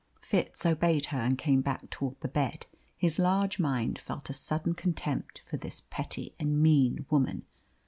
Fitz obeyed her and came back towards the bed. His large mind felt a sudden contempt for this petty and mean woman.